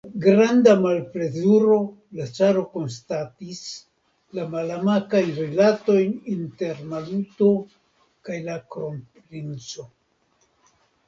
Kun granda malplezuro la caro konstatis la malamikajn rilatojn inter Maluto kaj la kronprinco.